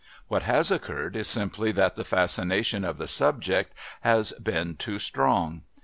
What has occurred is simply that the fascination of the subject has been too strong.